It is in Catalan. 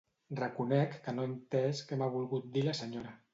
Reconec que no he entès què m'ha volgut dir la senyora.